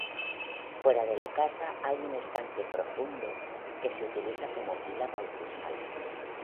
Fuera de la casa hay un estanque profundo que se utiliza como pila bautismal.